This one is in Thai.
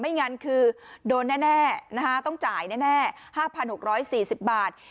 ไม่งั้นคือโดนแน่แน่นะคะต้องจ่ายแน่แน่ห้าพันหกร้อยสี่สิบบาท